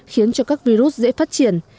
khiến cho các virus dễ phát triển